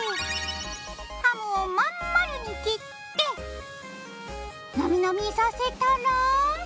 ハムを真ん丸に切ってなみなみさせたら。